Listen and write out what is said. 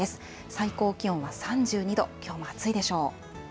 最高気温は３２度、きょうも暑いでしょう。